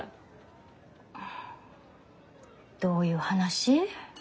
どういう話？